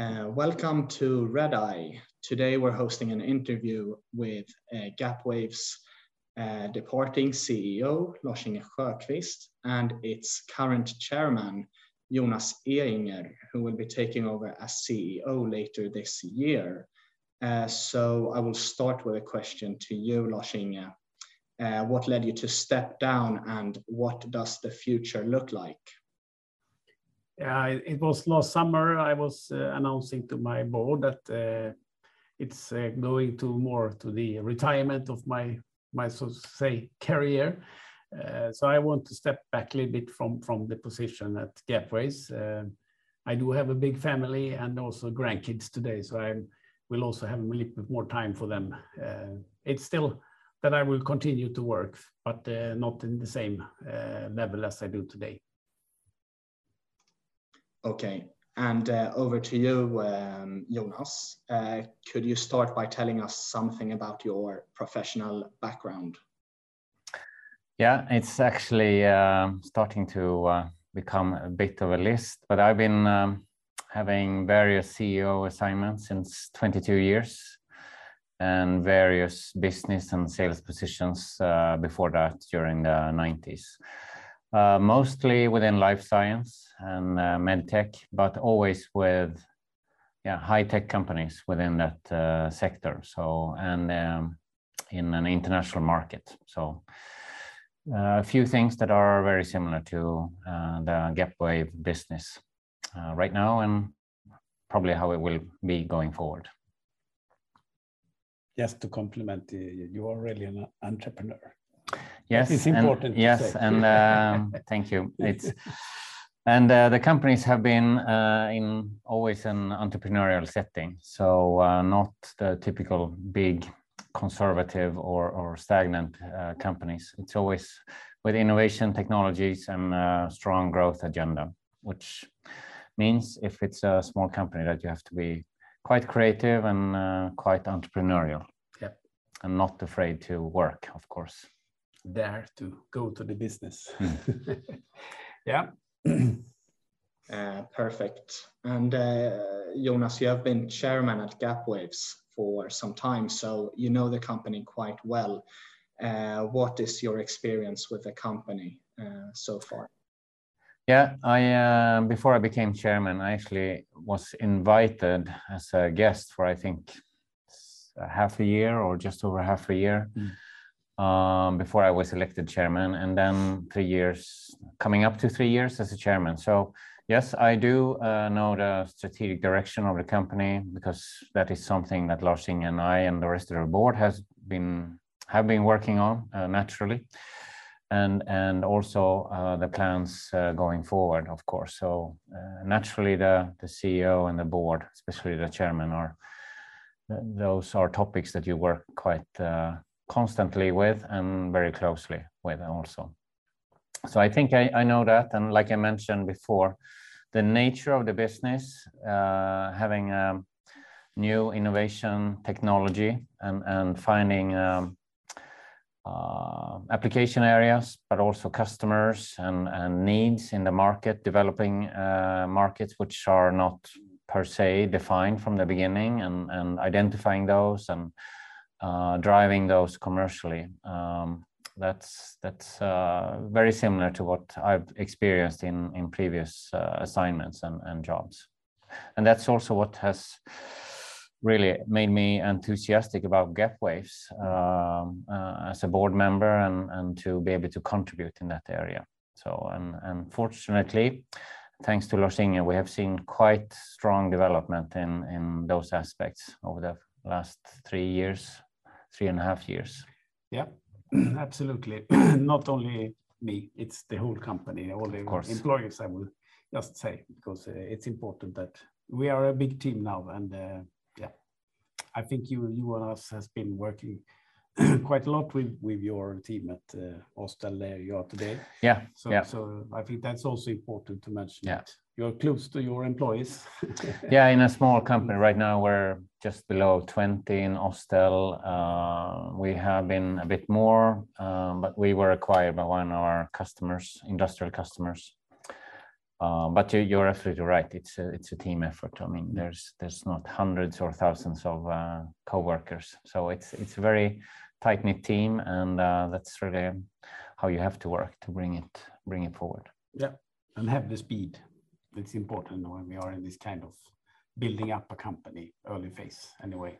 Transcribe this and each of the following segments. Welcome to Redeye. Today, we're hosting an interview with Gapwaves' departing CEO, Lars-Inge Sjöqvist, and its current Chairman, Jonas Ehinger, who will be taking over as CEO later this year. I will start with a question to you, Lars-Inge. What led you to step down, and what does the future look like? Yeah. It was last summer, I was announcing to my board that it's going to move to the retirement of my so to speak career. I want to step back a little bit from the position at Gapwaves. I do have a big family and also grandkids today, so I will also have a little bit more time for them. It's still that I will continue to work but not in the same level as I do today. Okay. Over to you, Jonas. Could you start by telling us something about your professional background? Yeah. It's actually starting to become a bit of a list, but I've been having various CEO assignments since 22 years and various business and sales positions before that during the 1990s. Mostly within life science and med tech, but always with, yeah, high-tech companies within that sector, so, and in an international market. A few things that are very similar to the Gapwaves business right now and probably how it will be going forward. Just to compliment you are really an entrepreneur. Yes. It's important to say. Yes. Thank you. The companies have always been in an entrepreneurial setting, so not the typical big conservative or stagnant companies. It's always with innovative technologies and a strong growth agenda, which means if it's a small company that you have to be quite creative and quite entrepreneurial. Yeah. Not afraid to work, of course. Dare to go to the business. Yeah. Jonas, you have been chairman at Gapwaves for some time, so you know the company quite well. What is your experience with the company so far? Yeah. Before I became chairman, I actually was invited as a guest for, I think, half a year or just over half a year, before I was elected chairman, and then three years coming up to three years as a chairman. Yes, I do know the strategic direction of the company because that is something that Lars-Inge and I and the rest of the board have been working on, naturally, and also, the plans going forward, of course. Naturally, the CEO and the board, especially the chairman, are those topics that you work quite constantly with and very closely with also. I think I know that. Like I mentioned before, the nature of the business, having new innovation technology and finding application areas, but also customers and needs in the market, developing markets which are not per se defined from the beginning and identifying those and driving those commercially. That's very similar to what I've experienced in previous assignments and jobs. That's also what has really made me enthusiastic about Gapwaves, as a board member and to be able to contribute in that area. Fortunately, thanks to Lars-Inge, we have seen quite strong development in those aspects over the last three years, three and a half years. Yeah. Absolutely. Not only me, it's the whole company. Of course. All the employees, I will just say, because it's important that we are a big team now and yeah. I think you and us has been working quite a lot with your team at Osstell, where you are today. Yeah. Yeah. I think that's also important to mention that. Yeah. You're close to your employees. Yeah. In a small company right now, we're just below 20 in Osstell. We have been a bit more, but we were acquired by one of our customers, industrial customers. You, you're absolutely right. It's a team effort. I mean, there's not hundreds or thousands of coworkers. It's a very tight-knit team, and that's really how you have to work to bring it forward. Yeah. Have the speed. That's important when we are in this kind of building up a company early phase anyway.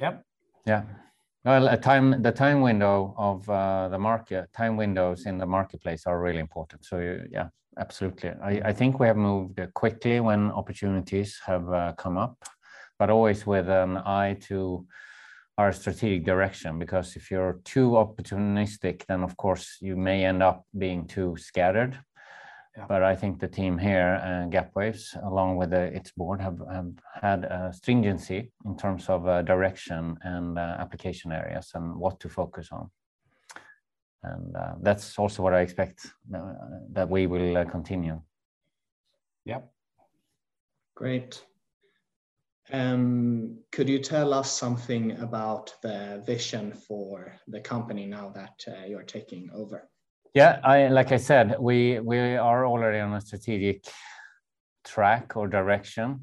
Yeah. Yeah. Well, the time windows in the marketplace are really important. Yeah, absolutely. I think we have moved quickly when opportunities have come up, but always with an eye to our strategic direction. If you're too opportunistic, then of course you may end up being too scattered. Yeah. I think the team here, Gapwaves, along with its board, have had a stringency in terms of direction and application areas and what to focus on. That's also what I expect that we will continue. Yeah. Great. Could you tell us something about the vision for the company now that you're taking over? Yeah, like I said, we are already on a strategic track or direction,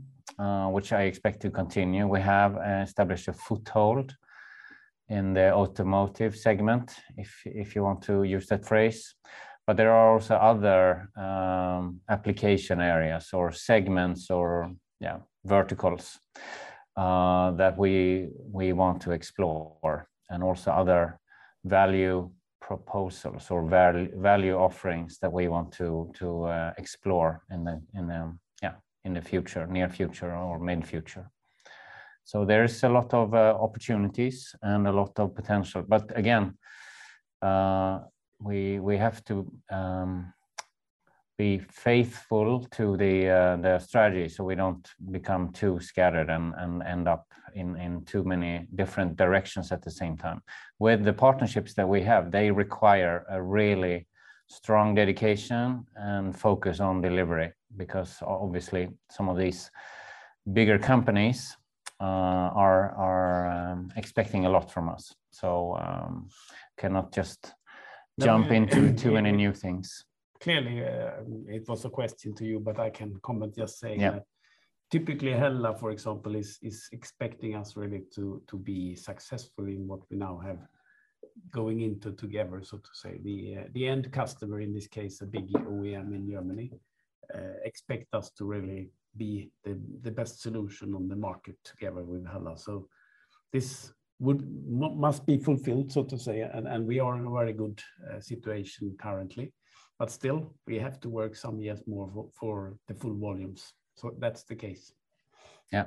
which I expect to continue. We have established a foothold in the automotive segment if you want to use that phrase. There are also other application areas or segments or verticals that we want to explore and also other value proposals or value offerings that we want to explore in the future, near future or mid future. There is a lot of opportunities and a lot of potential. Again, we have to be faithful to the strategy, so we don't become too scattered and end up in too many different directions at the same time. With the partnerships that we have, they require a really strong dedication and focus on delivery because obviously some of these bigger companies are expecting a lot from us, so I cannot just jump into too many new things. Clearly, it was a question to you, but I can comment, just say. Yeah. Typically HELLA, for example, is expecting us really to be successful in what we now have going into together, so to say. The end customer, in this case a big OEM in Germany, expect us to really be the best solution on the market together with HELLA. This must be fulfilled, so to say. We are in a very good situation currently, but still we have to work some years more for the full volumes. That's the case. Yeah.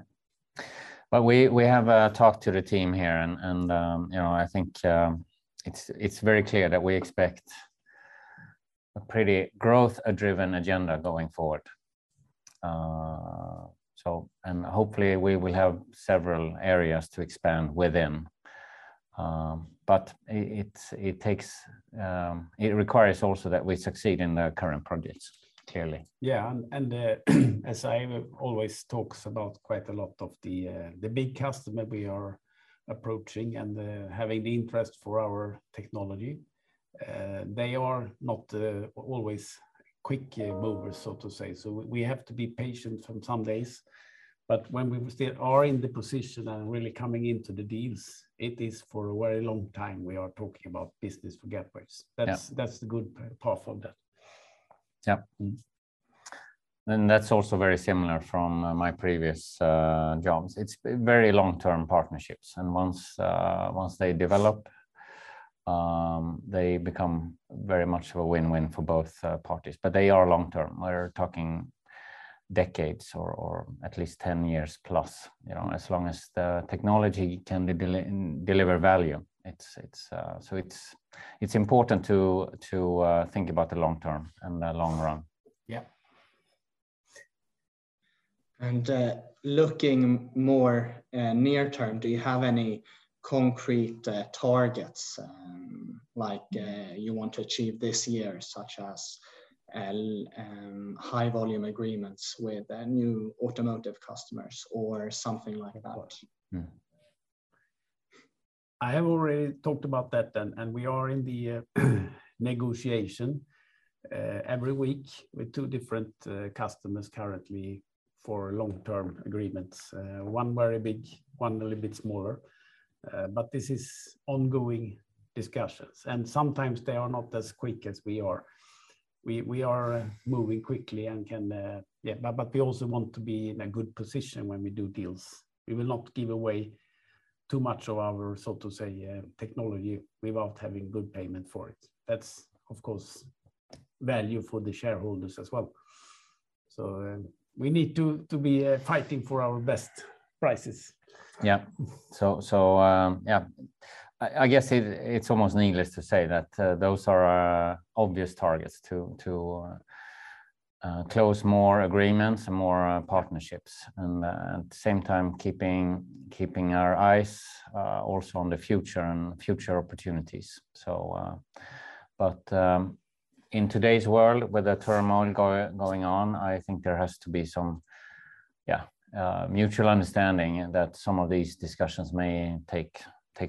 Well, we have talked to the team here and you know, I think it's very clear that we expect a pretty growth-driven agenda going forward. Hopefully, we will have several areas to expand within. It takes, it requires also that we succeed in the current projects, clearly. Yeah, as I always talks about quite a lot of the big customer we are approaching and having the interest for our technology, they are not always quick movers so to say. We have to be patient on some deals, but when we still are in the position and really coming into the deals, it is for a very long time we are talking about business for Gapwaves. Yeah. That's the good part of that. That's also very similar from my previous jobs. It's very long-term partnerships and once they develop, they become very much of a win-win for both parties. They are long-term. We're talking decades or at least 10 years plus, you know, as long as the technology can deliver value. It's important to think about the long term and the long run. Yeah. Looking more near term, do you have any concrete targets, like high volume agreements with new automotive customers or something like that? Mm-hmm. I have already talked about that and we are in the negotiation every week with two different customers currently for long-term agreements. One very big, one a little bit smaller. This is ongoing discussions, and sometimes they are not as quick as we are. We are moving quickly, but we also want to be in a good position when we do deals. We will not give away too much of our, so to say, technology without having good payment for it. That's, of course, value for the shareholders as well. We need to be fighting for our best prices. Yeah. I guess, it's almost needless to say that those are our obvious targets to close more agreements and more partnerships and, at the same time, keeping our eyes also on the future and opportunities. In today's world, with the turmoil going on, I think there has to be some mutual understanding that some of these discussions may take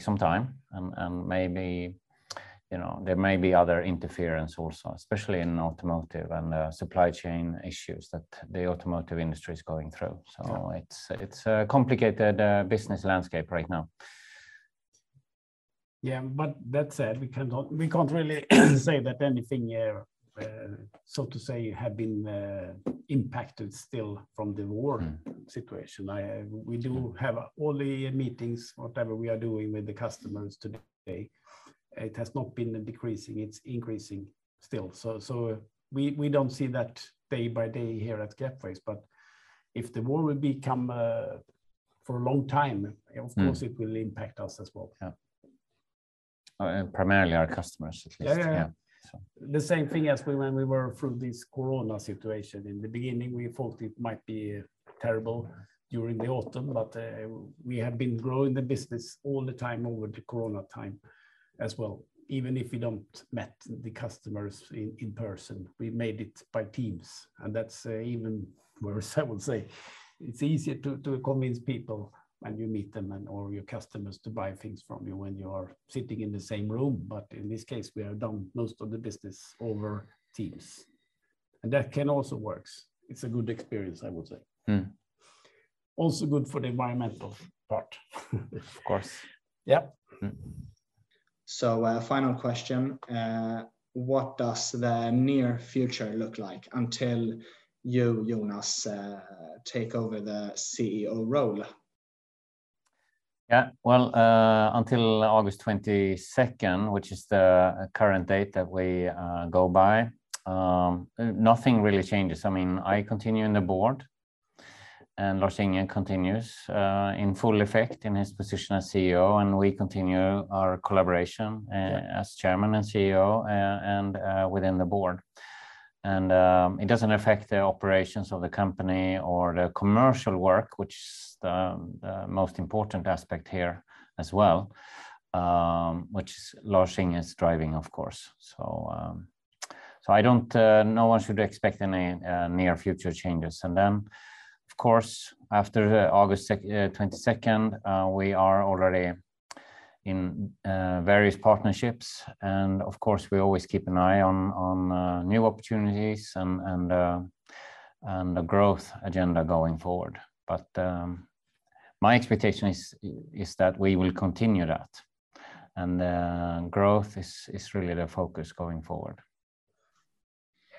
some time and, maybe, you know, there may be other interference also, especially in automotive and the supply chain issues that the automotive industry is going through. It's a complicated business landscape right now. That said, we can't really say that anything, so to say, have been impacted still from the war situation. We do have all the meetings, whatever we are doing with the customers today; it has not been decreasing. It's increasing still. We don't see that day by day here at Gapwaves. If the war will become for a long time, of course it will impact us as well. Yeah. Primarily our customers at least. Yeah, yeah. Yeah. The same thing as we when we were through this Corona situation. In the beginning, we thought it might be terrible during the autumn, but we have been growing the business all the time over the Corona time as well. Even if we don't met the customers in person, we made it by Teams, and that's even worse, I would say. It's easier to convince people when you meet them and or your customers to buy things from you when you are sitting in the same room. In this case, we have done most of the business over Teams, and that can also works. It's a good experience, I would say. Mm. Also good for the environmental part. Of course. Yep. A final question, what does the near future look like until you, Jonas, take over the CEO role? Yeah. Well, until August 22nd, which is the current date that we go by, nothing really changes. I mean, I continue in the board, and Lars-Inge continues in full effect in his position as CEO, and we continue our collaboration as Chairman and CEO, and within the board. It doesn't affect the operations of the company or the commercial work, which is the most important aspect here as well, which Lars-Inge is driving, of course. No one should expect any near future changes. Then, of course, after August 22nd, we are already in various partnerships, and of course, we always keep an eye on new opportunities and the growth agenda going forward. My expectation is that we will continue that, and growth is really the focus going forward.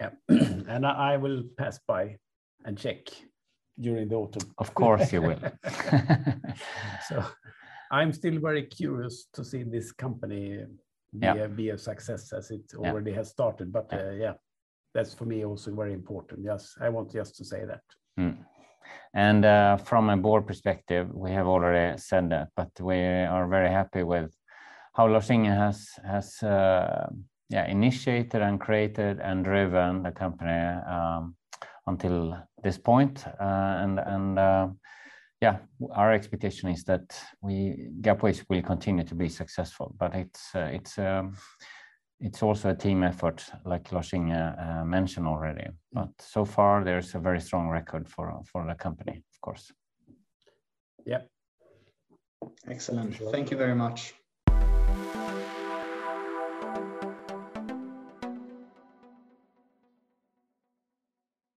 Yeah. I will pass by and check during the autumn. Of course you will. I'm still very curious to see this company. Yeah. Be a success as it Yeah. Already has started. Yeah. Yeah, that's for me also very important. Just, I want to say that. From a board perspective, we have already said that, but we are very happy with how Lars-Inge has initiated and created and driven the company until this point. Our expectation is that we, Gapwaves will continue to be successful, but it's also a team effort like Lars-Inge mentioned already. So far there's a very strong record for the company, of course. Yeah. Excellent. Thank you very much.